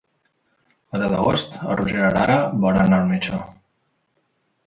El deu d'agost en Roger i na Lara volen anar al metge.